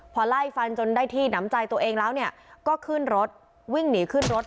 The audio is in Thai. พอไล่ฟันจนได้ที่หนำใจตัวเองแล้วเนี่ยก็ขึ้นรถวิ่งหนีขึ้นรถ